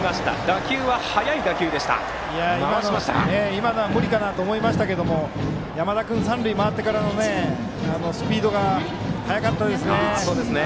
今のは無理かなと思いましたが山田君三塁回ってからのスピードが速かったですね。